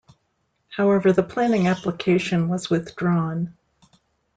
However, the planning application was withdrawn.